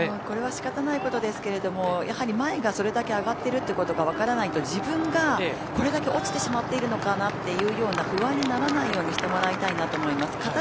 これは仕方ないことですけれどもやはり前がそれだけ上がってるということがわからないと自分がこれだけ落ちてしまっているのかなというような不安にならないようにしてもらいたいなと思います。